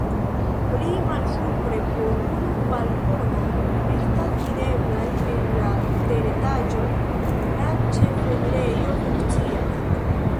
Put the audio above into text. Pli malsupre po unu balkonoj estas videblaj, en la teretaĝo la ĉefenirejo funkcias.